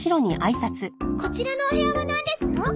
こちらのお部屋はなんですの？